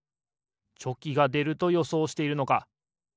チョキがでるとよそうしているのか。